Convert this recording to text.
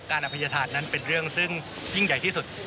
อภัยธาตุนั้นเป็นเรื่องซึ่งยิ่งใหญ่ที่สุด